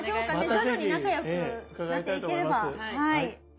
徐々に仲良くなっていければはい。